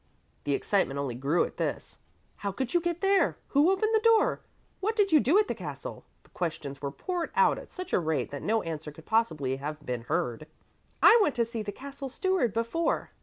The excitement only grew at this. "How could you get there? Who opened the door? What did you do at the castle?" The questions were poured out at such a rate that no answer could possibly have been heard. "I went to see the Castle Steward before.